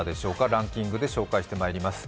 ランキングで紹介してまいります。